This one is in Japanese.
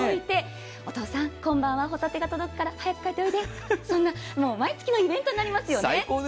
お父さん、今晩はホタテが届くから早く帰っておいでそんな、毎月のイベントになりますよね。